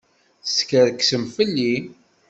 Teskerksem fell-i.